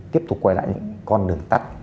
tiếp tục quay lại những con đường tắt